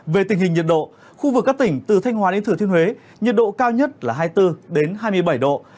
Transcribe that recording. về tình hình nhiệt độ khu vực các tỉnh từ thanh hòa đến thừa thiên huế nhiệt độ cao nhất là hai mươi bốn hai mươi bảy độ